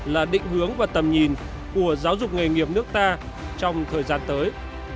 là định hướng và tầm nhìn của giáo dục nghề nghiệp nước ta trong thời gian tới